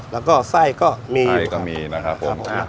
แล้วก็ไส้ก็มีไส้ก็มีนะครับผม